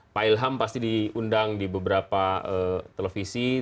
pak ilham pasti diundang di beberapa televisi